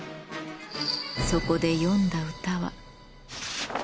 そこで詠んだ歌は。